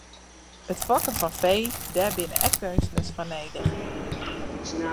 It fokken fan fee, dêr binne ek keunstners foar nedich.